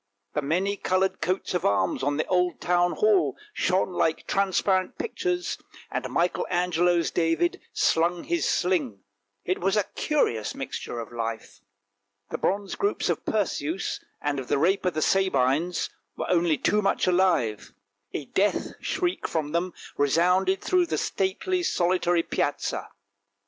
The many coloured coats of arms on the old Town Hall shone like transparent pictures, and Michael Angelo's David slung his sling; it was a curious mixture of life ! The bronze groups of Perseus, and of the Rape of the Sabines, were only too much alive; a death shriek from them resounded through the stately, solitary, Piazza.